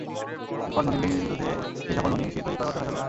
এরপর ননিবিহীন দুধে সেই নকল ননি মিশিয়ে তৈরি করা হতো ভেজাল দুধ।